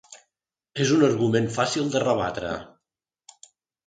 És un argument fàcil de rebatre.